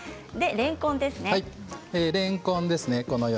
れんこんですね。